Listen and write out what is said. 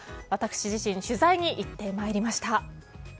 私自身取材に行ってまいりました。